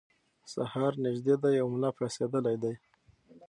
سهار نږدې دی او ملا پاڅېدلی دی.